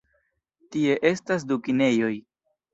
Tie estas du kinejoj.